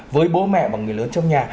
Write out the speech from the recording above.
với bố mẹ và người lớn trong nhà